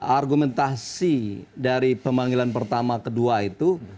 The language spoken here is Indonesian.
argumentasi dari pemanggilan pertama kedua itu